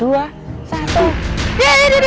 duh duh duh